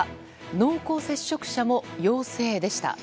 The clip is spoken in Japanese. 濃厚接触者も陽性でした。